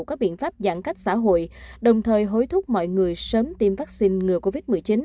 có biện pháp giãn cách xã hội đồng thời hối thúc mọi người sớm tiêm vaccine ngừa covid một mươi chín